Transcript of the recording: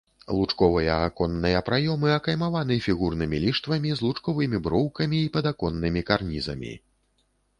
Лучковыя аконныя праёмы акаймаваны фігурнымі ліштвамі з лучковымі броўкамі і падаконнымі карнізамі.